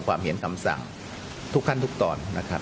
ความเห็นคำสั่งทุกขั้นทุกตอนนะครับ